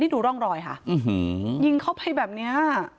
ดูร่องรอยค่ะยิงเข้าไปแบบนี้